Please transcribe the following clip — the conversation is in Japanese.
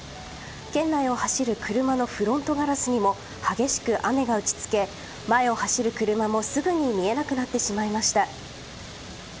県内を走る車のフロントガラスにも激しく雨が打ち付け前を走る車もすぐに見えなくなってしまいました。